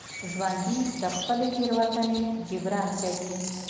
ژوندي د خپلې تېروتنې جبران کوي